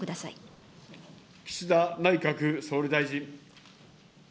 岸田内閣総理大臣。